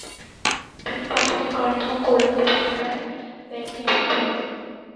তিনি পদত্যাগ করেন এবং কোলনে পুনরায় ব্যাংকিং ব্যবসায় ফিরে যান ।